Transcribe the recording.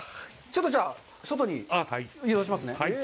ちょっとじゃあ外に移動しますね。